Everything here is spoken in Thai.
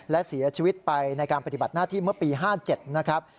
และเสียชีวิตไปในการปฏิบัติหน้าที่เมื่อปี๕๗นะครับ